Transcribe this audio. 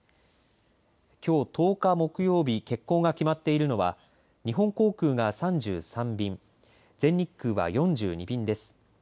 きょう１０日木曜日欠航が決まっているのは日本航空が３３便全日空が４２便です。